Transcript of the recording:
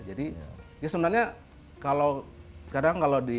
jadi ya sebenarnya kalau kadang kalau di ya